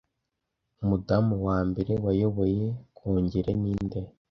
Umudamu wa mbere wayoboye Kongere ninde